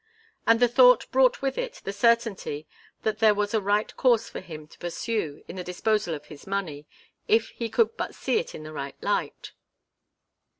And the thought brought with it the certainty that there was a right course for him to pursue in the disposal of his money, if he could but see it in the right light.